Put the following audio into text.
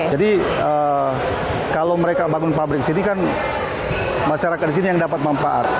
jadi kalau mereka bangun pabrik di sini kan masyarakat di sini yang dapat manfaat